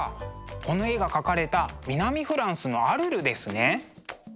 この絵が描かれた南フランスのアルルですね！